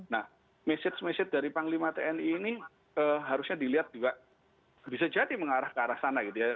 nah mesej message dari panglima tni ini harusnya dilihat juga bisa jadi mengarah ke arah sana gitu ya